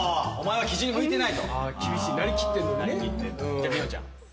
じゃあ未央ちゃん。